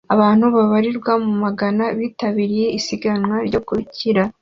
Abantu babarirwa mu magana bitabiriye isiganwa ryo gukira